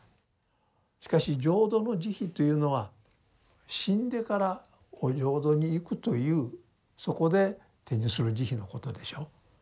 しかし浄土の慈悲というのは死んでからお浄土に行くというそこで手にする慈悲のことでしょう。